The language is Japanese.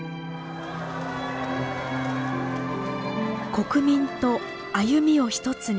国民と歩みを一つに。